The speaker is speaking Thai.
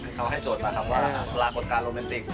คือเขาให้จดไปครับว่าหลากกฎการโรมนานติก